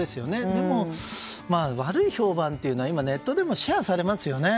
でも、悪い評判というのは今ネットでもシェアされますよね。